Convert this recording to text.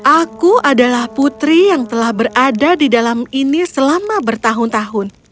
aku adalah putri yang telah berada di dalam ini selama bertahun tahun